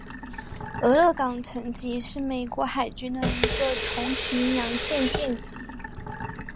俄勒冈城级是美国海军的一个重巡洋舰舰级。